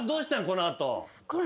この後？